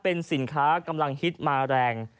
เป็นสินค้ากำลังฮิตมาแรง